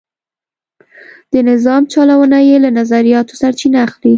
د نظام چلونه یې له نظریاتو سرچینه اخیسته.